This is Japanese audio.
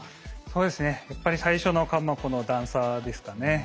そうですねやっぱり最初の関門はこの段差ですかね。